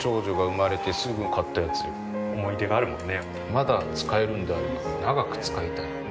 まだ使えるんであれば長く使いたい。